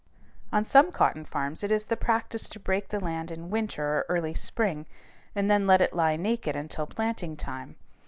On some cotton farms it is the practice to break the land in winter or early spring and then let it lie naked until planting time.